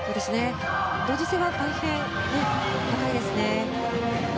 同時性は大変高いですね。